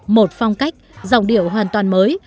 một phong cách dòng điệu hoàn toàn mới